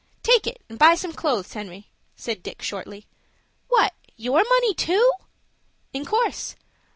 "Take it, and buy some clothes, Henry," said Dick, shortly. "What, your money too?" "In course."